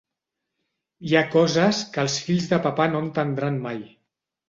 Hi ha coses que els fills de papà no entendran mai.